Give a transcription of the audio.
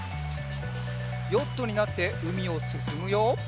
ヨットになってうみをすすむよ。